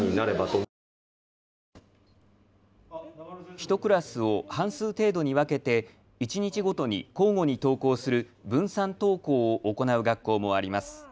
１クラスを半数程度に分けて一日ごとに交互に登校する分散登校を行う学校もあります。